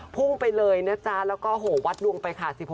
พุ่งไปเลยนะจ๊ะแล้วก็โหวัดดวงไปค่ะ